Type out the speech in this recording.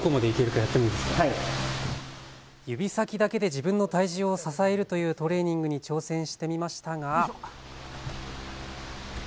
指先だけで自分の体重を支えるというトレーニングに挑戦してみましたが。